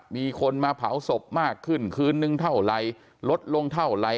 มีคนมาเผาศพมากขึ้นคืนนึงเท่าไหร่ลดลงเท่าไหร่